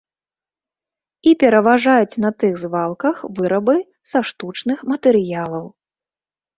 І пераважаюць на тых звалках вырабы са штучных матэрыялаў.